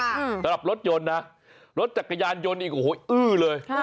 สำหรับรถยนต์นะรถจักรยานยนต์อื้อเลย